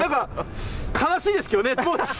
悲しいですけどね。